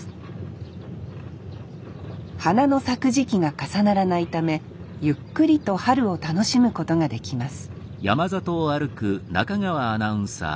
花の咲く時期が重ならないためゆっくりと春を楽しむことができます